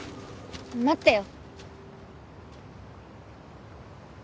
待ってよ。